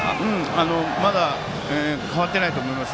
まだ、変わっていないと思います。